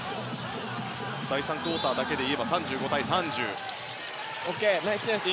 第３クオーターだけなら３５対３０。